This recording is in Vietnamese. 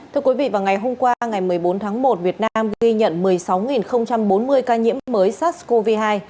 thưa quý vị vào ngày hôm qua ngày một mươi bốn tháng một việt nam ghi nhận một mươi sáu bốn mươi ca nhiễm mới sars cov hai